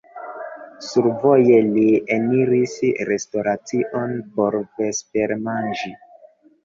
Survoje li eniris restoracion por vespermanĝi.